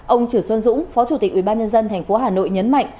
ông chử xuân dũng phó chủ tịch ubnd tp hà nội nhấn mạnh